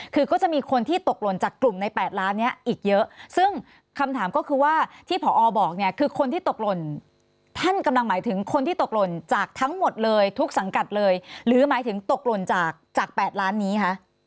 คือก็จะมีคนที่ตกหล่นจากกลุ่มใน๘ล้านนี้อีกเยอะซึ่งคำถามก็คือว่าที่ผอบอกเนี่ยคือคนที่ตกหล่นท่านกำลังหมายถึงคนที่ตกหล่นจากทั้งหมดเลยทุกสังกัดเลยหรือหมายถึงตกหล่นจากจาก๘ล้านนี้คะ